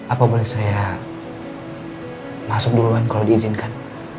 apa boleh saya masuk duluan kalau diizinkan